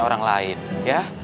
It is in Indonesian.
orang lain ya